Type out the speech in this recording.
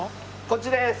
こっちです。